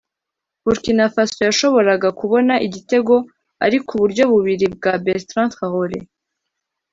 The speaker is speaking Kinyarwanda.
Burkina Faso yashoboraga kubona igitego ariko uburyo bubiri bwa Bertrand Traore